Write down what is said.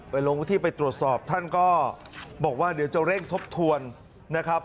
ลงพื้นที่ไปตรวจสอบท่านก็บอกว่าเดี๋ยวจะเร่งทบทวนนะครับ